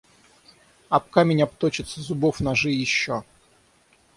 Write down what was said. Об камень обточатся зубов ножи еще!